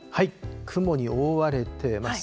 雲に覆われてます。